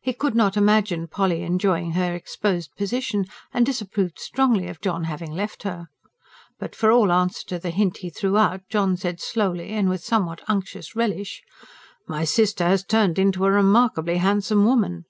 He could not imagine Polly enjoying her exposed position, and disapproved strongly of John having left her. But for all answer to the hint he threw out John said slowly, and with a somewhat unctuous relish: "My sister has turned into a remarkably handsome woman!"